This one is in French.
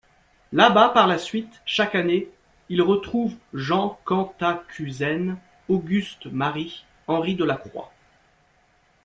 Là-bas, par la suite, chaque année, il retrouve Jean Cantacuzène, Auguste Marie, Henri Delacroix.